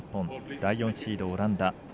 第４シード、オランダ。